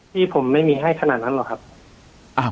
ที่ผมไม่มีให้ขนาดนั้นหรอกครับ